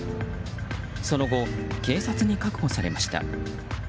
その後、警察に確保されました。